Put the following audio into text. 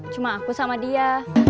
cuma aku sama dia